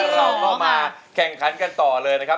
เราก็มาแข่งขันกันต่อเลยนะครับ